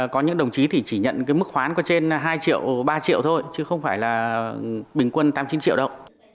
có những đồng chí thì chỉ nhận cái mức khoán có trên hai triệu ba triệu thôi chứ không phải là bình quân tám mươi chín triệu đâu